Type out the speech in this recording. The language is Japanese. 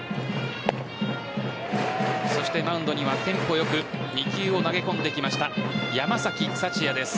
そしてマウンドにはテンポよく２球を投げ込んできました山崎福也です。